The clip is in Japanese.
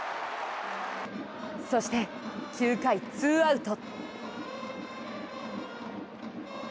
そして９回、ツーアウト。